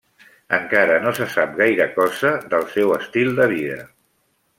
Encara no se sap gaire cosa del seu estil de vida.